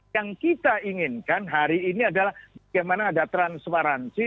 yang kita inginkan hari ini adalah bagaimana ada transparansi